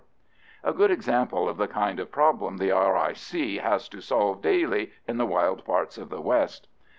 A good example of the kind of problem the R.I.C. has to solve daily in the wild parts of the west.